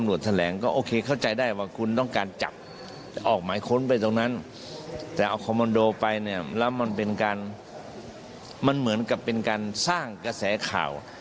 แล้วมันเป็นการมันเหมือนกับเป็นการสร้างกระแสข่าว